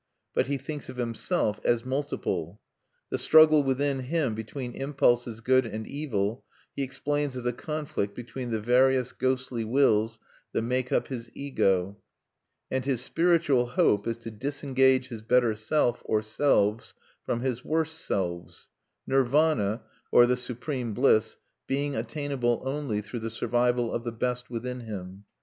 But he thinks of himself as multiple. The struggle within him between impulses good and evil he explains as a conflict between the various ghostly wills that make up his Ego; and his spiritual hope is to disengage his better self or selves from his worse selves, Nirvana, or the supreme bliss, being attainable only through the survival of the best within him.